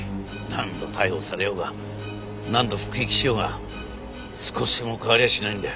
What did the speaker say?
何度逮捕されようが何度服役しようが少しも変わりゃしないんだよ。